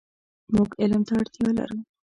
مونږ علم ته اړتیا لرو .